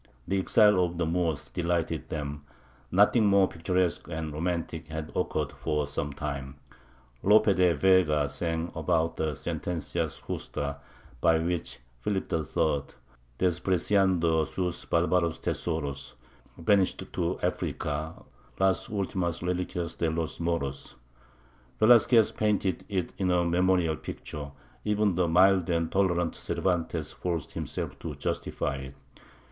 The exile of the Moors delighted them; nothing more picturesque and romantic had occurred for some time. Lope de Vega sang about the sentencia justa by which Philip III., despreciando sus barbaros tesoros, banished to Africa las ultimas reliquias de los Moros; Velazquez painted it in a memorial picture; even the mild and tolerant Cervantes forced himself to justify it.